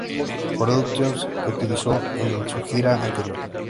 Productions", que utilizó en su gira anterior.